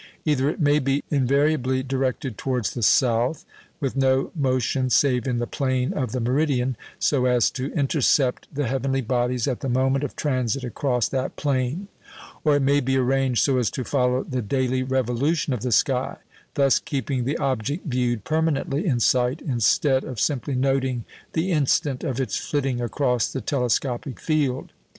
Either it may be invariably directed towards the south, with no motion save in the plane of the meridian, so as to intercept the heavenly bodies at the moment of transit across that plain; or it may be arranged so as to follow the daily revolution of the sky, thus keeping the object viewed permanently in sight instead of simply noting the instant of its flitting across the telescopic field.